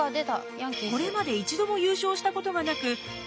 これまで一度も優勝したことがなく万年Ｂクラス。